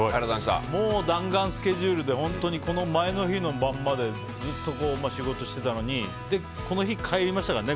もう、弾丸スケジュールで本当に前の日の晩までずっと仕事してたのにこの日、帰りましたからね。